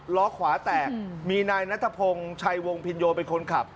ล้อขวาแตกมีนายนัทพงศ์ชัยวงพินโยเป็นคนขับ